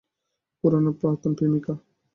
পুরনো প্রাক্তন প্রেমিকা।